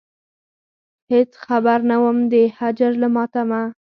هېڅ خبر نه وم د هجر له ماتمه.